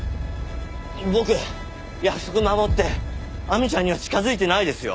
僕約束守って亜美ちゃんには近づいてないですよ！